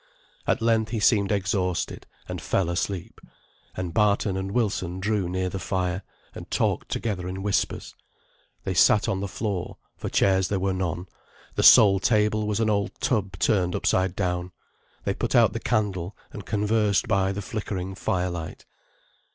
At length he seemed exhausted, and fell asleep; and Barton and Wilson drew near the fire, and talked together in whispers. They sat on the floor, for chairs there were none; the sole table was an old tub turned upside down. They put out the candle and conversed by the flickering fire light.